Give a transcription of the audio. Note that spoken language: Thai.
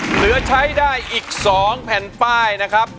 เหลือใช้ได้อีก๒แผ่นป้ายนะครับ